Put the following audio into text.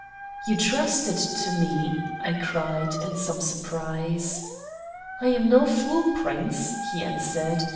"You trust it to me?" I cried, in some surprise. "I am no fool, Prince," he answered.